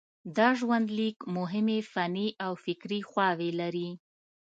دا ژوندلیک مهمې فني او فکري خواوې لري.